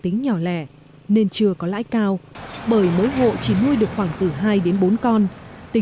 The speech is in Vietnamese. trị lợi nông thị lợi